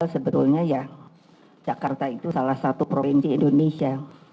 sebetulnya ya jakarta itu salah satu provinsi indonesia